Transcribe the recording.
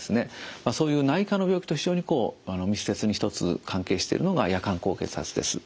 そういう内科の病気と非常にこう密接に一つ関係しているのが夜間高血圧です。